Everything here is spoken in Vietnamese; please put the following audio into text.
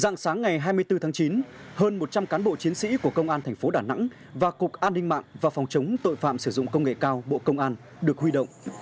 dạng sáng ngày hai mươi bốn tháng chín hơn một trăm linh cán bộ chiến sĩ của công an thành phố đà nẵng và cục an ninh mạng và phòng chống tội phạm sử dụng công nghệ cao bộ công an được huy động